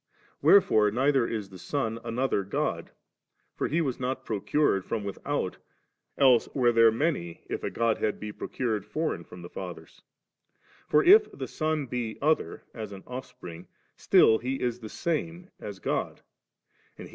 Wherefore neither is the Son another God, for He was not procured from without, else were there many, if a godhead be procured foreign from the Father's '; for if the Son be other, as an Offspring, still He is the Same as Ck)d ; and He